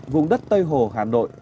vùng đất tây hồ hà nội